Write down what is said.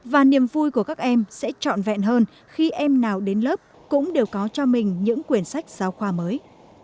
và niềm vui của các em sẽ trọn vẹn hơn khi em nào đến lớp cũng đều có cho mình những quyển sách giáo khoa mới